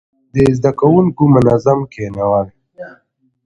د زده کوونکو منظم کښينول،